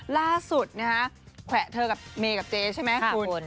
ล่าสุดนะฮะแขวะเธอกับเมย์กับเจ๊ใช่ไหมคุณ